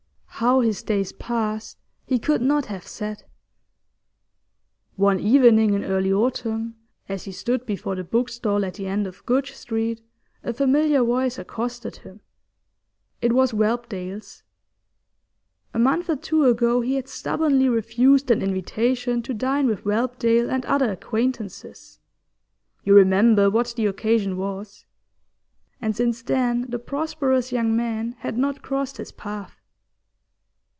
How his days passed he could not have said. One evening in early autumn, as he stood before the book stall at the end of Goodge Street, a familiar voice accosted him. It was Whelpdale's. A month or two ago he had stubbornly refused an invitation to dine with Whelpdale and other acquaintances you remember what the occasion was and since then the prosperous young man had not crossed his path.